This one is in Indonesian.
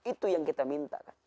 itu yang kita minta